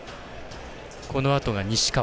このあとが西川。